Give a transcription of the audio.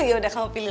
udah bagus begini